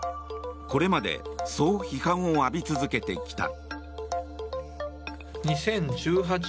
これまでそう批判を浴び続けてきた。